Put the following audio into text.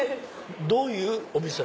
どういうお店？